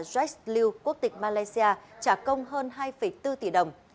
jack liu quốc tịch malaysia trả công hơn hai bốn tỷ đồng